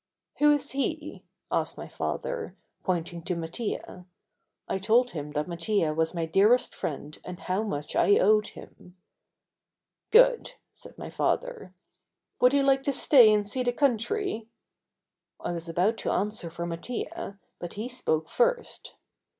"Who is he?" asked my father, pointing to Mattia. I told him that Mattia was my dearest friend and how much I owed him. "Good," said my father; "would he like to stay and see the country?" I was about to answer for Mattia, but he spoke first.